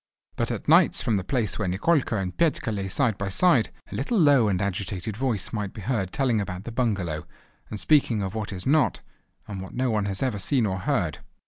But at nights from the place where Nikolka and Petka lay side by side, a little low and agitated voice might be heard telling about the bungalow, and speaking of what is not, and what no one has ever seen or heard.